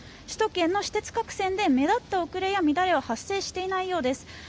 首都圏の私鉄各線で目立った遅れや乱れは発生していないようです。